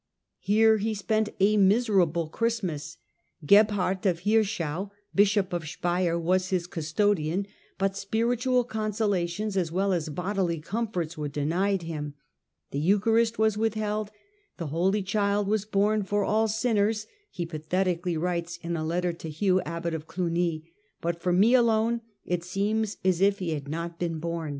Here he spent a miserable Christ mas. Gebhard of Hirschau, bishop of Speier, was his custodian, but spiritual consolations as well as bodily comforts were denied him; the Eucharist was withheld :* the Holy Child was bom for all sinners,' he pathetically writes in a letter to Hugh, abbot of Clugny, * but for me alone it seems as if he had not been bom.'